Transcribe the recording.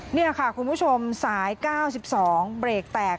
นี่ค่ะคุณผู้ชมสาย๙๒เบรกแตก